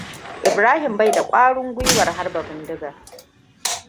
Ibrahim bai da ƙwarin gwiwar harba bindigar.